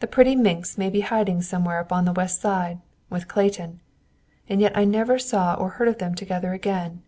The pretty minx may be in hiding somewhere up on the West Side, with Clayton. And yet I never saw or heard of them together again.